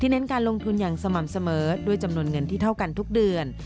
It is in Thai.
เน้นการลงทุนอย่างสม่ำเสมอด้วยจำนวนเงินที่เท่ากันทุกเดือน